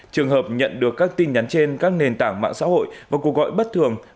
trường hợp nhận được các tin nhắn trên các nền tảng mạng xã hội và cuộc gọi bất thường